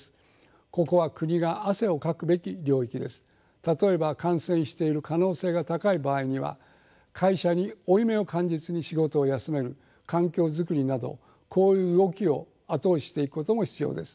例えば感染している可能性が高い場合には会社に負い目を感じずに仕事を休める環境作りなどこういう動きを後押ししていくことも必要です。